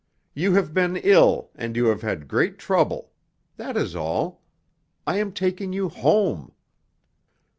You have been ill, and you have had great trouble. That is all. I am taking you home.